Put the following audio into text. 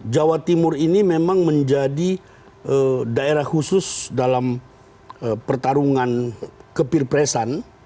jawa timur ini memang menjadi daerah khusus dalam pertarungan kepirpresan